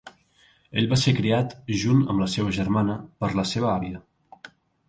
Ell va ser criat junt amb la seva germana per la seva àvia.